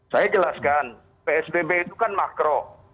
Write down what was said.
saya jelaskan psbb itu kan makro